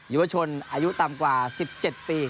ยุวชนอายุต่ำกว่า๑๗ปี